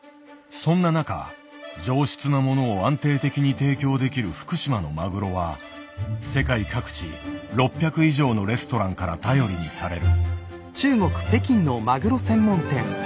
そんな中上質なものを安定的に提供できる福島のマグロは世界各地６００以上のレストランから頼りにされる。